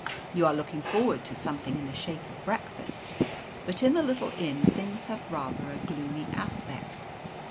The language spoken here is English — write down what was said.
You are looking forward to something in the shape of breakfast, but in the little inn things have rather a gloomy aspect.